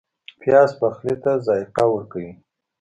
پیاز پخلی ته ذایقه ورکوي